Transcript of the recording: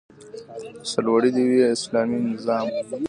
سرلوړی دې وي اسلامي نظام؟